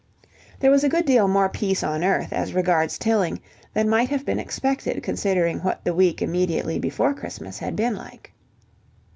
There was a good deal more peace on earth as regards Tilling than might have been expected considering what the week immediately before Christmas had been like.